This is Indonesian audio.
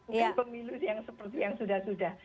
mungkin pemilu yang seperti yang sudah sudah